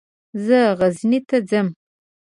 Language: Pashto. زه غزني ته ځم.